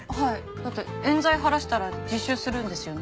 だって冤罪晴らしたら自首するんですよね？